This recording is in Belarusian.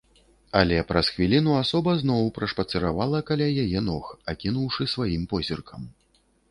Але праз хвіліну асоба зноў прашпацыравала каля яе ног, акінуўшы сваім позіркам.